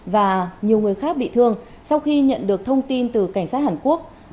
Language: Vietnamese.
và nhiều người khác bị thương sau khi nhận được thông tin từ cảnh sát hàn quốc